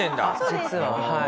実ははい。